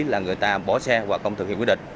là người ta bỏ xe và không thực hiện quyết định